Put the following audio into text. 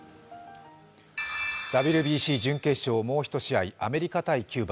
ＷＢＣ準決勝、もう１試合、アメリカ×キューバ。